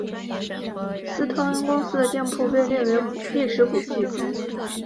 斯特恩公司的店铺被列为历史古迹。